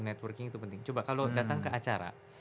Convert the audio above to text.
networking itu penting coba kalau datang ke acara